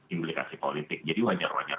implikasi politik jadi wajar wajar